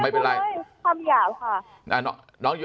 แม่พูดเลยคำหยาบค่ะ